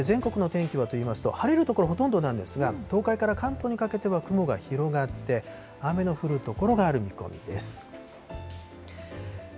全国の天気はといいますと、晴れる所、ほとんどなんですが、東海から関東にかけては雲が広がって、雨の降る所がある見込みです。